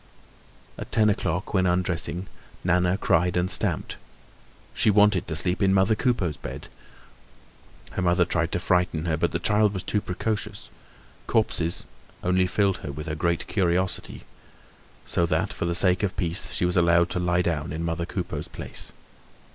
At ten o'clock, when undressing, Nana cried and stamped. She wanted to sleep in mother Coupeau's bed. Her mother tried to frighten her; but the child was too precocious. Corpses only filled her with a great curiosity; so that, for the sake of peace, she was allowed to lie down in mother Coupeau's place.